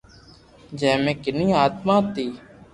جي مي ڪني آتما ھتي